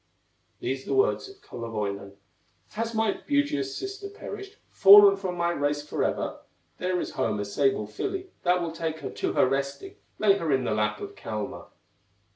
These the words of Kullerwoinen: "Has my beauteous sister perished, Fallen from my race forever, There is home a sable filly That will take her to her resting, Lay her in the lap of Kalma."